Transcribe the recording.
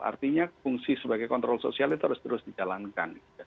artinya fungsi sebagai kontrol sosial itu harus terus dijalankan